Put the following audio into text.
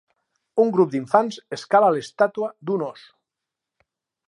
Un grup d'infants escala l'estàtua d'un os.